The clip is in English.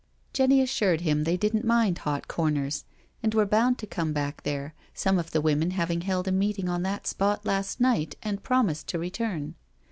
Jenny assured him they didn't mind hot corners, and were bound to come back there, some of the women having held a meeting on that spot last night and promised to return.